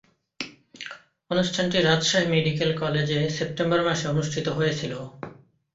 অনুষ্ঠানটি রাজশাহী মেডিকেল কলেজে সেপ্টেম্বর মাসে অনুষ্ঠিত হয়েছিলো।